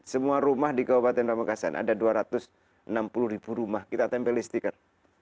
semua rumah di kabupaten pamekasan ada dua ratus enam puluh ribu rumah kita tempeli stiker